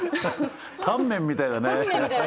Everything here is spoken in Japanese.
タンメンみたいだね。